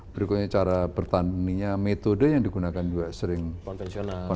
berikutnya cara bertaninya metode yang digunakan juga sering konvensional